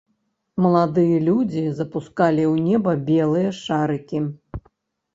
Маладыя людзі запускалі ў неба белыя шарыкі.